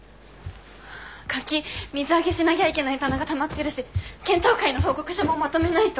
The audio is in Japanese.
カキ水揚げしなぎゃいけない棚がたまってるし検討会の報告書もまとめないと。